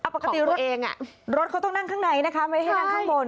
ปกติรถเองรถเขาต้องนั่งข้างในนะคะไม่ให้นั่งข้างบน